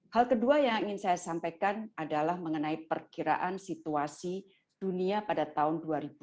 hal kedua yang ingin saya sampaikan adalah mengenai perkiraan situasi dunia pada tahun dua ribu dua puluh